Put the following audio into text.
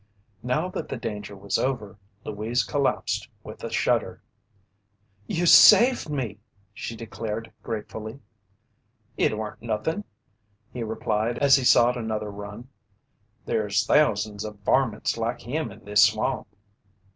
Now that the danger was over, Louise collapsed with a shudder. "You saved me!" she declared gratefully. "It weren't nothin'," he replied as he sought another run. "There's thousands o' varmints like him in this swamp."